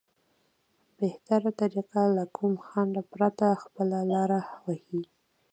بهتره طريقه له کوم خنډ پرته خپله لاره ووهي.